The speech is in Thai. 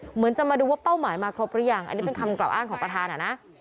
เหมือนจะมาดูว่าเป้าหมายมาครบหรือยังอันนี้เป็นคำกล่าวอ้างของประธานอ่ะนะ